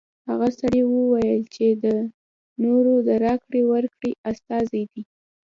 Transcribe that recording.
هغه سړي ویل چې د کورونو د راکړې ورکړې استازی دی